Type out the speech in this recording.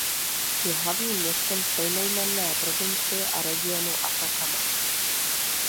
Je hlavním městem stejnojmenné provincie a regionu Atacama.